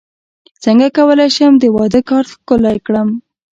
څنګه کولی شم د واده کارت ښکلی کړم